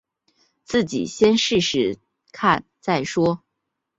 自己先试试看再说